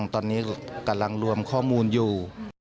ตอนนี้กำลังรวมข้อมูลอยู่